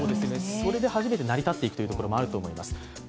それで初めて成り立っていくところもあると思います。